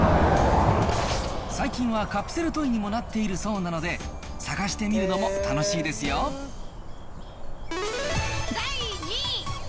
最近はカプセルトイにもなっているそうなので、探してみるの第２位。